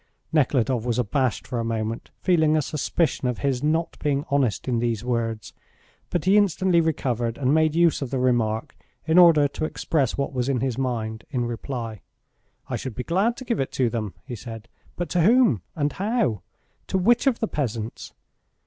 Nekhludoff was abashed for a moment, feeling a suspicion of his not being honest in these words, but he instantly recovered, and made use of the remark, in order to express what was in his mind, in reply. "I should be glad to give it them," he said, "but to whom, and how? To which of the peasants?